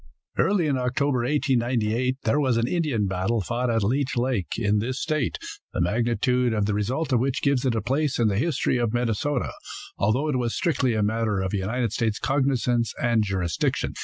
Early in October, 1898, there was an Indian battle fought at Leech lake, in this state, the magnitude of the result of which gives it a place in the history of Minnesota, although it was strictly a matter of United States cognizance and jurisdiction.